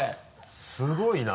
すごいな。